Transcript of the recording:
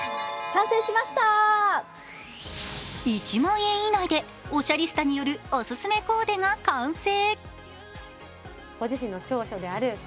１万円以内でおしゃリスタによるオススメコーデが完成。